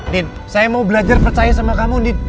din saya mau belajar percaya sama kamu